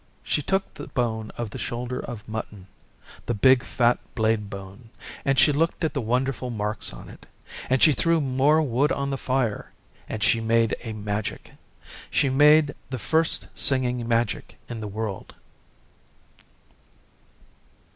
She took the bone of the shoulder of mutton the big fat blade bone and she looked at the wonderful marks on it, and she threw more wood on the fire, and she made a Magic. She made the First Singing Magic in the world.